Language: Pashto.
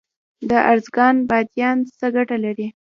د ارزګان بادیان څه ګټه لري؟